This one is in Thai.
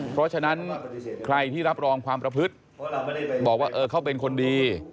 เพราะฉะนั้นใครที่รับรองความประพฤติบอกว่าเขาเป็นคนดี